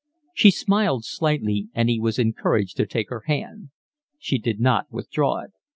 She smiled slightly, and he was encouraged to take her hand. She did not withdraw it.